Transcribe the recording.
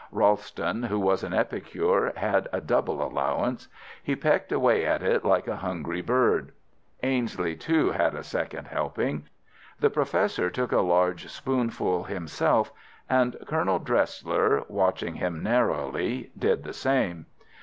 Ralston, who was an epicure, had a double allowance. He pecked away at it like a hungry bird. Ainslie, too, had a second helping. The Professor took a large spoonful himself, and Colonel Dresler, watching him narrowly, did the same.